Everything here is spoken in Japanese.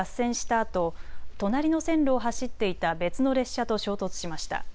あと隣の線路を走っていた別の列車と衝突しました。